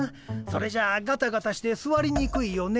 それじゃあガタガタしてすわりにくいよねえ。